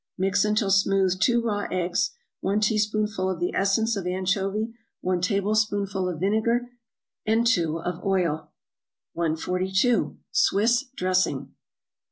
= Mix until smooth two raw eggs, one teaspoonful of the essence of anchovy, one tablespoonful of vinegar, and two of oil. 142. =Swiss Dressing.